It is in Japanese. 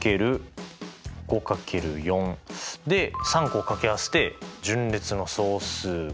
で３個をかけ合わせて順列の総数が。